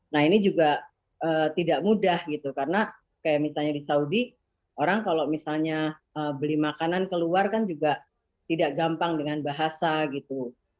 nah ini juga tidak mudah gitu karena kayak misalnya di saudi orang kalau misalnya beli makanan keluar kan juga tidak gampang dengan bahasa gitu